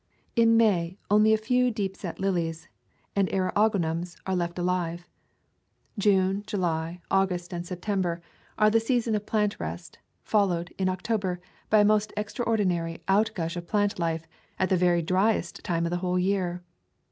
In May, only a few deep set lilies and eriog onums are left alive. June, July, August, and [ 208 ] Twenty Hill Hollow September are the season of plant rest, fol lowed, in October, by a most extraordinary out gush of plant life, at the very driest time of the whole year.